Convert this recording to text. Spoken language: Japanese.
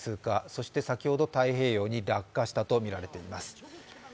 そして先ほど太平洋へ落下したものとみられています。